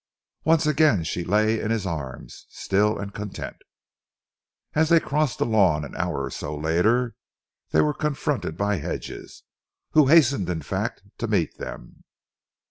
Once again she lay in his arms, still and content. As they crossed the lawn, an hour or so later, they were confronted by Hedges who hastened, in fact, to meet them.